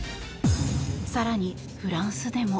更にフランスでも。